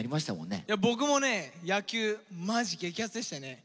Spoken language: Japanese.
僕もね野球マジ激アツでしたよね。